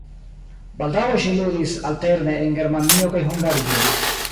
Baldaŭe ŝi ludis alterne en Germanio kaj Hungario.